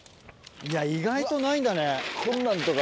いや意外とないんだね。